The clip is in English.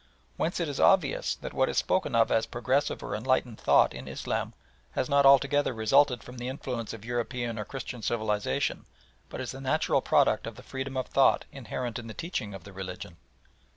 Whence it is obvious that what is spoken of as progressive or enlightened thought in Islam has not altogether resulted from the influence of European or Christian civilisation, but is the natural product of the freedom of thought inherent in the teaching of the religion.